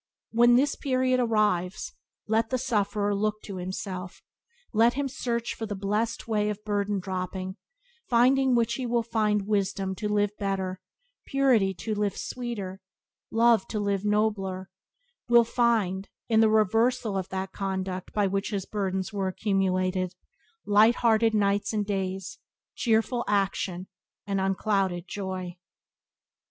When this period arrives let the sufferer look to himself; let him search for the blessed way of burden dropping, finding which he will find wisdom to live better, purity to live sweeter, love to live nobler; will find, in the reversal of that conduct by which his burdens were accumulated, light hearted nights and days, cheerful action, and unclouded joy.